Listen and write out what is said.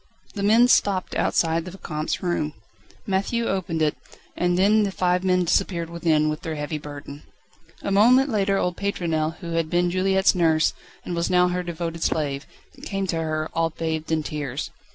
The men stopped outside the Vicomte's room. Matthieu opened it, and then the five men disappeared within, with their heavy burden. A moment later old Pétronelle, who had been Juliette's nurse, and was now her devoted slave, came to her, all bathed in tears.